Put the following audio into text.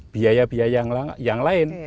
biaya biaya yang lain